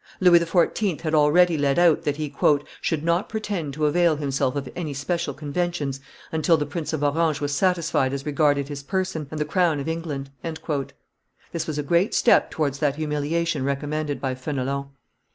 Louis XIV. had already let out that he "should not pretend to avail himself of any special conventions until the Prince of Orange was satisfied as regarded his person and the crown of England." This was a great step towards that humiliation recommended by Fenelon.